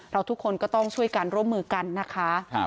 ทุกคนก็ต้องช่วยกันร่วมมือกันนะคะ